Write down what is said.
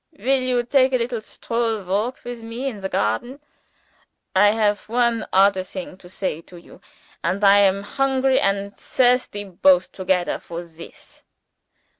Will you take a little stroll walk with me in the garden? I have one odder thing to say to you: and I am hungry and thirsty both togedder for This."